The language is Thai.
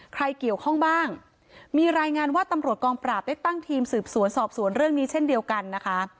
ใครเกี่ยวข้องบ้างมีรายงานว่าตำรวจกองปราบได้ตั้งทีมสืบสวนสอบสวนเรื่องนี้เช่นเดียวกันนะคะ